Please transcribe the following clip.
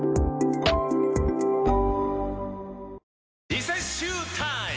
リセッシュータイム！